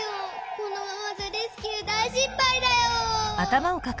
このままじゃレスキューだいしっぱいだよ。